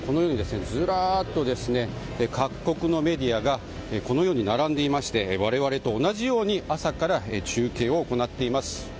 ずらっと各国のメディアが並んでいまして我々と同じように朝から中継を行っています。